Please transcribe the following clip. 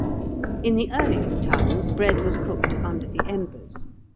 ] In the earliest times bread was cooked under the embers.